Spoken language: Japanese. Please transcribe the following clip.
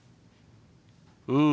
うん。